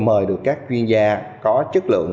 mời được các chuyên gia có chất lượng